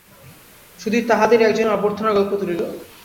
সুধীর তাঁহাদেরই একজনের অভ্যর্থনার গল্প তুলিল।